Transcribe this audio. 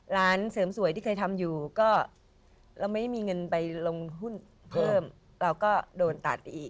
ร้านเสริมสวยที่เคยทำอยู่ก็เราไม่มีเงินไปลงหุ้นเพิ่มเราก็โดนตัดอีก